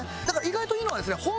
だから意外といいのはですね